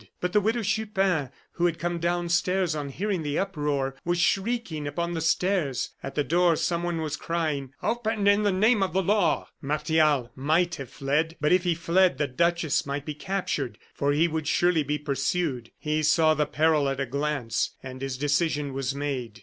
But the Widow Chupin, who had come downstairs on hearing the uproar, was shrieking upon the stairs. At the door someone was crying: "Open in the name of the law!" Martial might have fled; but if he fled, the duchess might be captured, for he would certainly be pursued. He saw the peril at a glance, and his decision was made.